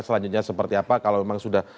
selanjutnya seperti apa kalau memang sudah